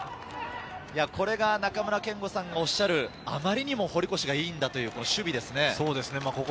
これが中村憲剛さんがおっしゃるあまりにも堀越がいいんだという守備ですね。